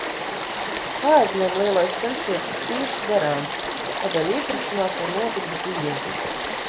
Paegļiem lielais ceļš iet cieši garām, tādēļ iepirkšanās var notikt bieži.